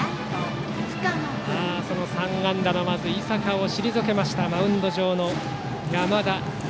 その３安打の井坂を退けたマウンド上の山田。